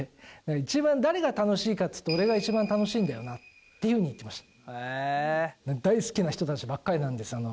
一番誰が楽しいかっていうと俺が一番楽しいんだよなっていうふうに言ってました。